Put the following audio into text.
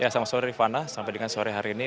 selamat sore rifana sampai dengan sore hari ini